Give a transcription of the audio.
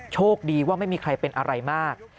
โชคดีว่าไม่มีใครเป็นอะไรมาก